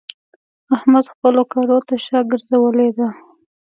احمد خپلو کارو ته شا ګرځولې ده.